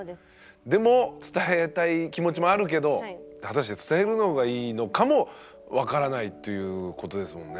でも伝えたい気持ちもあるけど果たして伝えるのがいいのかも分からないということですもんね。